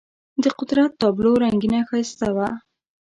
د قدرت تابلو رنګینه ښایسته وه.